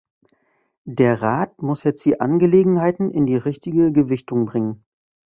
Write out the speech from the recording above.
Der Rat muss jetzt die Angelegenheiten in die richtige Gewichtung bringen.